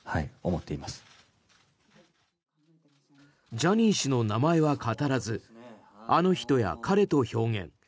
ジャニー氏の名前は語らずあの人や彼と表現。